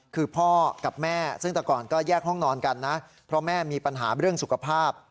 คือพ่อกับแม่ซึ่งแต่ก่อนก็แยกห้องนอนกันนะเพราะแม่มีปัญหาเรื่องสุขภาพ